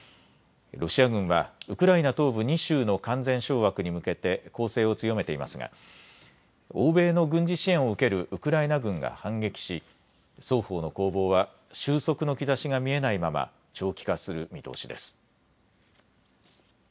ロシア軍はウクライナ東部２州の完全掌握に向けて攻勢を強めていますが欧米の軍事支援を受けるウクライナ軍が反撃し双方の攻防は収束の兆しが見えないまま長期化する見通しです。